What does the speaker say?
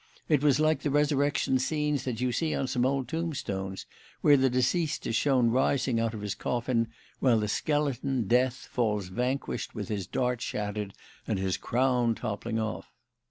It was like the resurrection scenes that you see on some old tombstones, where the deceased is shown rising out of his coffin while the skeleton, Death, falls vanquished with his dart shattered and his crown toppling off.